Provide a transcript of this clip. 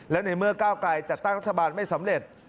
และในเมื่อก้าวไกลจัดตั้งรัฐบาลไม่สำเร็จ